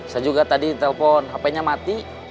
saya juga tadi telpon hpnya mati